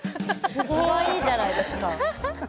かわいいじゃないですか。